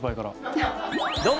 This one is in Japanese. どうも！